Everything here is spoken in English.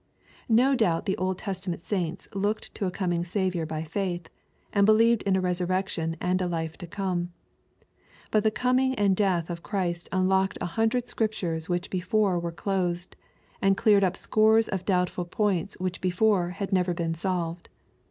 No doubt the Old Testament saints looked to a coming Saviour by faith, and believed in a resurrection and a life to come. But the coming and death of Christ unlocked a hundred Scriptures which before were closed, and cleared up scores of doubtful points which before had never been solved.